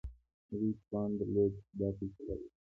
هغوی توان درلود چې دا فیصله وکړي.